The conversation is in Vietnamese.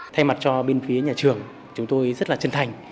thay mặt cho bên phía nhà trường chúng tôi rất là chân thành